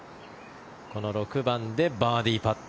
この６番でバーディーパット。